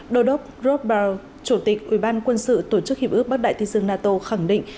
đô đốc robert chủ tịch ủy ban quân sự tổ chức hiệp ước bắc đại thị xương nato khẳng định